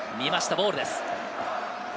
ボールです。